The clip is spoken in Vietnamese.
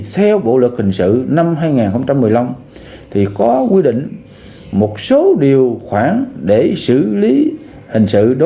theo bộ luật hình sự năm hai nghìn một mươi năm thì có quy định một số điều khoản để xử lý hình sự